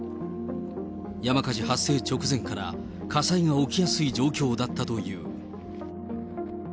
山火事発生直前から火災が起きやすい状況だったという。